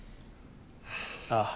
ああ。